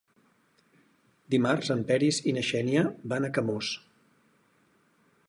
Dimarts en Peris i na Xènia van a Camós.